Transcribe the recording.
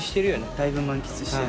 だいぶ満喫してる。